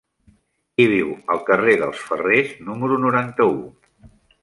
Qui viu al carrer dels Ferrers número noranta-u?